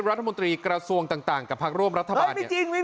รัฐมนตรีกระทรวงต่างต่างกับภักดีร่วมรัฐบาล